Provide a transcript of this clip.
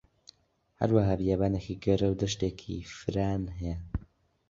هەروەها بیابانێکی گەورە و دەشتێکی فران هەیە